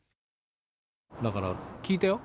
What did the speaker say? だから、聞いたよ。